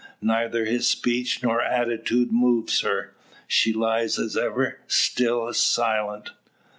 Neither his speech nor attitude moves her. She lies as ever, still, silent.